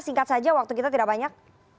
singkat saja waktu kita tidak banyak